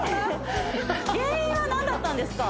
原因は何だったんですか？